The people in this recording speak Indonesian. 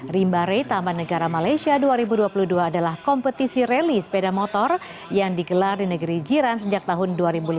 rimba ray taman negara malaysia dua ribu dua puluh dua adalah kompetisi rally sepeda motor yang digelar di negeri jiran sejak tahun dua ribu lima belas